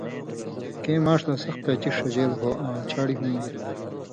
کؤں ماݜ لا سخ پېچس ݜژېلوۡ ہو آں چھاڑیۡ ہُم اے